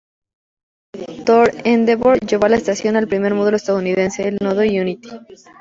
El orbitador "Endeavour" llevó a la estación el primer módulo estadounidense, el nodo Unity.